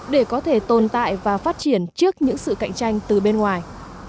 để có thể tồn tại và phát triển trước những sự cạnh tranh từ bên ngoài